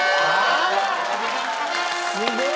すごい！